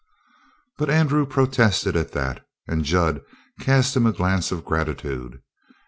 But Andrew protested at that, and Jud cast him a glance of gratitude.